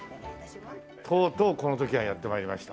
とうとうこの時がやって参りました。